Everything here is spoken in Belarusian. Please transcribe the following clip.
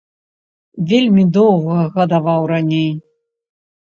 Вельмі доўга гадаваў раней.